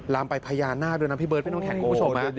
ลามไปพยานาพด้วยนำพี่เบิร์ทไปด้านข้างคุณผู้ชมฮะ